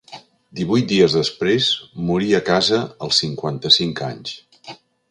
Divuit dies després moria a casa als cinquanta-cinc anys.